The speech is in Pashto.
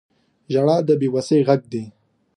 • ژړا د بې وسۍ غږ دی.